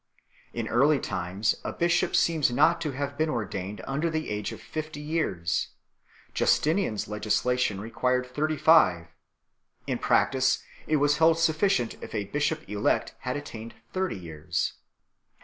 In early times a bishop seems not to have been ordained under the age of fifty years; Justinian s legislation required thirty five ; in practice, it was held sufficient if a bishop elect had attained thirty years.